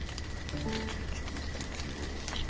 じゃあまあこの黄色いやつを。